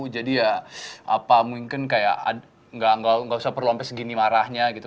jadi ya mungkin kayak gak usah perlu sampe segini marahnya gitu